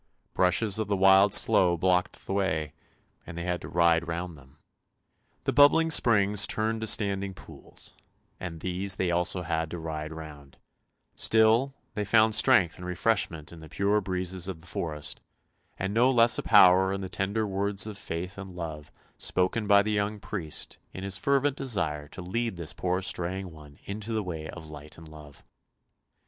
Bushes of the wild sloe blocked the way, and they had to ride round them. The bubbling springs turned to standing pools, and these they also had to ride round; still they found strength and refresh ment in the pure breezes of the forest, and no less a power in the tender words of faith and love spoken by the young priest in his fervent desire to lead this poor straying one into the way of light and love.